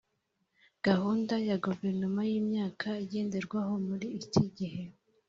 Gahunda ya Guverinoma y Imyaka igenderwaho muri iki gihe